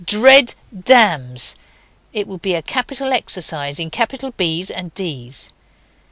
Dread Dams." It will be a capital exercise in capital B's and D's.